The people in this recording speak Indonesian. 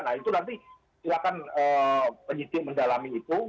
nah itu nanti silakan penyidik mendalami itu